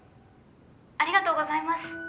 ありがとうございます。